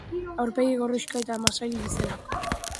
Aurpegi gorrixka eta masail gizenak.